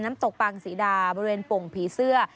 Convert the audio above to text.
น้ำตกปางศรีดาบริเวณโป่งผีเสื้อ